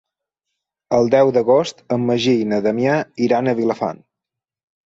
El deu d'agost en Magí i na Damià iran a Vilafant.